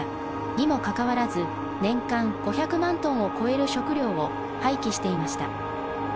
にもかかわらず年間５００万トンを超える食料を廃棄していました。